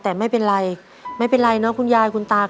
แต่ไม่เป็นไรไม่เป็นไรเนอะคุณยายคุณตา